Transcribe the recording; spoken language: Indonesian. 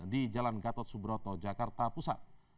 di jalan gatot subroto jakarta pusat